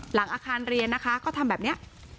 หลังอาคารเรียนนะคะก็ทำแบบนี้